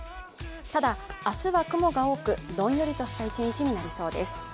ただ明日は雲が多くどんよりとした一日になりそうです。